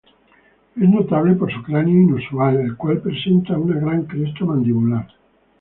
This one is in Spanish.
Es notable por su cráneo inusual, el cual presenta una gran cresta mandibular.